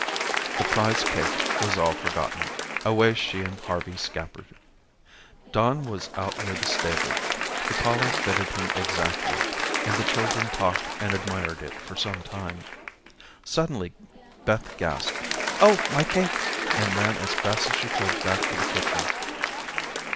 The prize cake was all forgotten. Away she and Harvey scampered. Don was out near the stable. The collar fitted him exactly, and the children talked and admired it for some time. Suddenly Beth gasped, "Oh, my cake," and ran as fast as she could back to the kitchen.